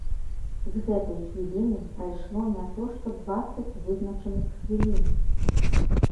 З гэтай хвіліны прайшло не то што дваццаць вызначаных хвілін!